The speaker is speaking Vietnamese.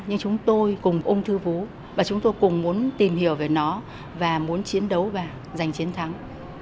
nhưng chúng tôi cùng ung thư vú và chúng tôi cùng muốn tìm hiểu về nó và muốn chiến đấu và giành chiến thắng